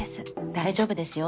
大丈夫ですよ